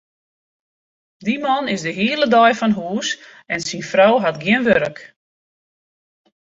Dy man is de hiele dei fan hûs en syn frou hat gjin wurk.